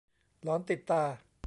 หลอนติดตา